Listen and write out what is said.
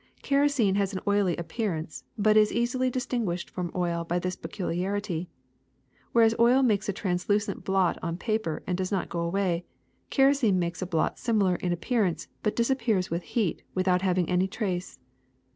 ^^ Kerosene has an oily appearance, but is easily distinguished from oil by this peculiarity: whereas oil makes a translucent blot on paper and does not go away, kerosene makes a blot similar in appear ance but disappears with heat without leaving any trace.